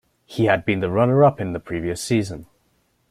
He had been the runner-up in the previous season.